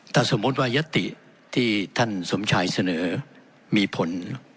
ถ้าสมมุติว่ายัตติที่ท่านสมชายเสนอมีผล